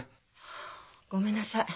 はあごめんなさい。